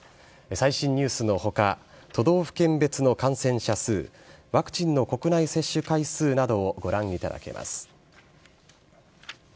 最新ニュースのほか、都道府県別の感染者数、ワクチンの国内接種回数などをご覧いただけます。